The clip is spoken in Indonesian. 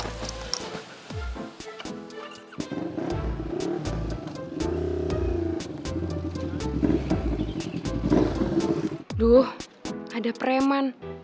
aduh ada preman